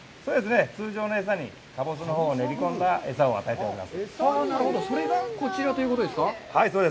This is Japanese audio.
通常の餌にかぼすのほうを練り込んだ餌を与えております。